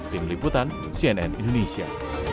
tim liputan cnn indonesia